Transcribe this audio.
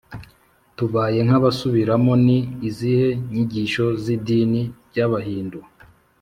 tubaye nk’abasubiramo, ni izihe nyigisho z’idini ry’abahindu?